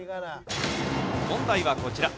問題はこちら。